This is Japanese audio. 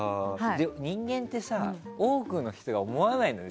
人間ってさ多くの人が思わないよね